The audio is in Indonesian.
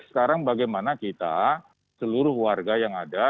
sekarang bagaimana kita seluruh warga yang ada